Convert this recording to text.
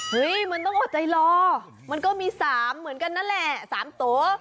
มันต้องอดใจรอมันก็มี๓เหมือนกันนั่นแหละ๓โต